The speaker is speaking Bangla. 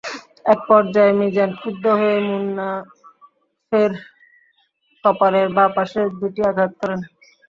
একপর্যায়ে মিজান ক্ষুব্ধ হয়ে মুন্নাফের কপালের বাঁ পাশে দুটি আঘাত করেন।